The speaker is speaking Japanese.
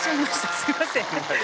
すみません。